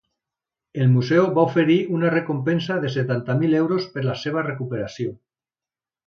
El museu va oferir una recompensa de setanta mil euros per la seva recuperació.